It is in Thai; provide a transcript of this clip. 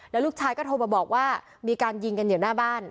แล้วลูกชายก็โทรมาบอกว่ามีการยิงกันอยู่หน้าบ้าน